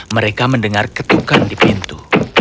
mereka mendengar ketukan di pintu